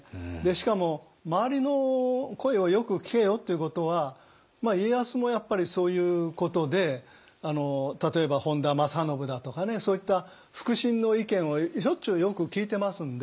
しかも周りの声をよく聞けよっていうことは家康もやっぱりそういうことで例えば本多正信だとかねそういった腹心の意見をしょっちゅうよく聞いてますんで。